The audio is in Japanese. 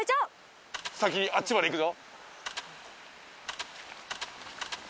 先にあっちまで行くぞ。